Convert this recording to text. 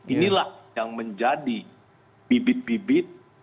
inilah yang menjadi bibit bibit